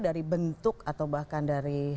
dari bentuk atau bahkan dari